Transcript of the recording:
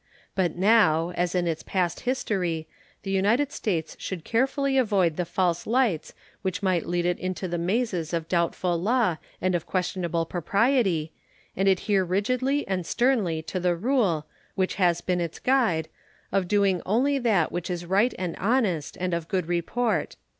But now, as in its past history, the United States should carefully avoid the false lights which might lead it into the mazes of doubtful law and of questionable propriety, and adhere rigidly and sternly to the rule, which has been its guide, of doing only that which is right and honest and of good report.